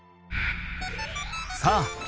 さあ